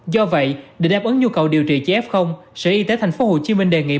do vậy để đáp ứng nhu cầu điều trị chế f sở y tế thành phố hồ chí minh đề nghị